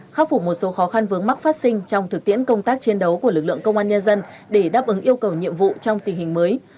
khắc phục một số khó khăn vướng mắc phát sinh trong thực tiễn công tác chiến đấu của lực lượng công an nhân dân để đáp ứng yêu cầu nhiệm vụ trong tình hình mới